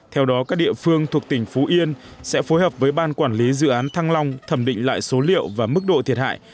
theo đó các địa phương thuộc tỉnh phú yên sẽ phối hợp với ban quản lý dự án thăng long thẩm định lại số liệu và mức độ thiệt hại